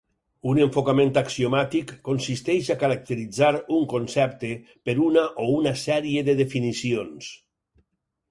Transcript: Un enfocament axiomàtic consisteix a caracteritzar un concepte per una o una sèrie de definicions.